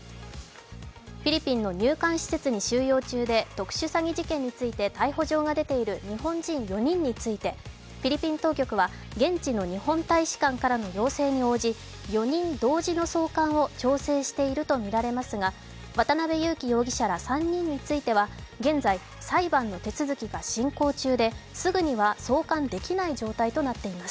フィリピンの入管施設に収容中で特殊詐欺事件について逮捕状が出ている日本人４人についてフィリピン当局は、現地の日本大使館からの要請に応じ４人同時の送還を調整しているとみられますが渡辺優樹容疑者ら３人については現在、裁判の手続きが進行中ですぐには送還できない状態となっています。